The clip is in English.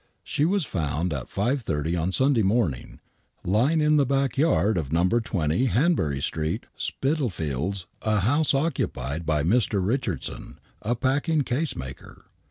She was found at 5.30 on Sunday morning, lying in the back yard of IN'o. 20 Hanbury Street,, Spitalfields, a house occupied by Mr. Richardson, a packing case maker.